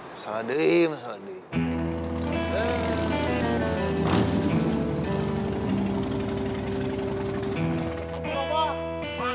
masalah dia masalah dia